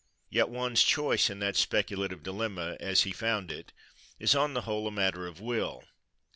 Yet one's choice in that speculative dilemma, as he has found it, is on the whole a matter of will.